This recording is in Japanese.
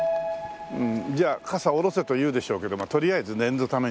うんじゃあ傘下ろせと言うでしょうけどとりあえず念のためにね